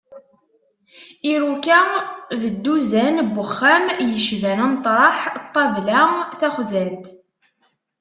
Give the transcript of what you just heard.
Iruka, d dduzan n wexxam yecban ameṭreḥ, ṭṭlaba, taxzant...